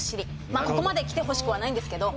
まあここまできてほしくはないんですけど。